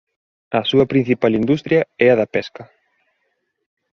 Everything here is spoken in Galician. A súa principal industria é a da pesca.